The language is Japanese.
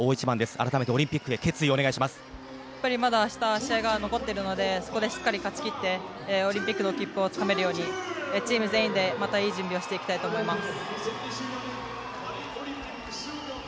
あらためてオリンピックへ決意あした、まだ試合が残っているのでそこでしっかり勝ち切ってオリンピックの切符をつかめるようにチーム全員でまたいい準備をしていきたいと思います。